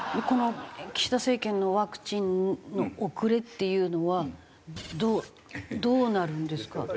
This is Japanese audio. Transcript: この岸田政権のワクチンの遅れっていうのはどうどうなるんですか？